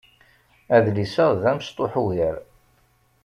Adlis-a d amecṭuḥ ugar.